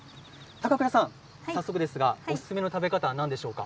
高倉さん、早速ですがおすすめの食べ方は何でしょうか。